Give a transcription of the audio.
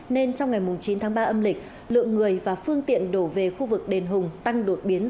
nên trong ngày chín tháng ba âm lịch lượng người và phương tiện đổ về khu vực đền hùng tăng đột biến